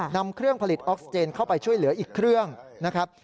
นำเครื่องผลิตออกซิเจนเข้าไปช่วยเหลืออีกเครื่องนะครับ